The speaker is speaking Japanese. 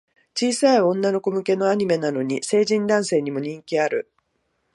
小さい女の子向けのアニメなのに、成人男性にも人気ある